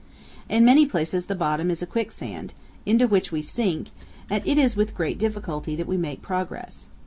In many places the bottom is a quicksand, into which we sink, and it is with great difficulty that we make progress.